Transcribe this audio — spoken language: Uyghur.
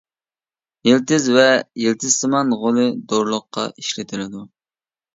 يىلتىزى ۋە يىلتىزسىمان غولى دورىلىققا ئىشلىتىلىدۇ.